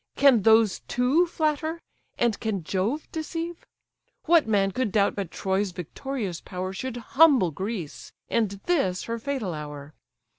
Can those too flatter, and can Jove deceive? What man could doubt but Troy's victorious power Should humble Greece, and this her fatal hour?